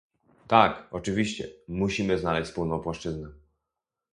Tak, oczywiście, musimy znaleźć wspólną płaszczyznę